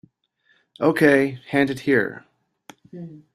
Okay, hand it here.